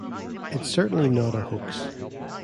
It's certainly not a hoax.